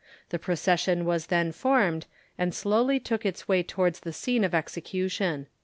The procession was then formed, and slowly took its way towards the scene of execution.